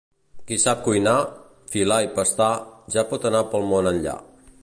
Qui sap cuinar, filar i pastar ja pot anar pel món enllà.